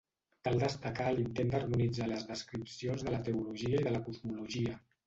Cal destacar l'intent d'harmonitzar les descripcions de la teologia i de la cosmologia.